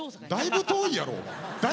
だいぶ遠いやろ。